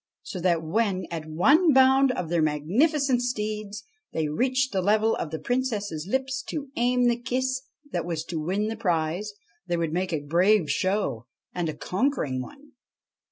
so that when, at one bound of their magnificent steeds, they reached the level of the Princess's lips, to aim the kiss that was to win the prize, they would make a brave show, and a conquering one.